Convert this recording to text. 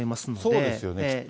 そうですよね、きっと。